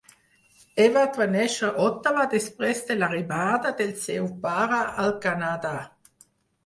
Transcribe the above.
Ewart va néixer a Ottawa després de l'arribada del seu pare al Canadà.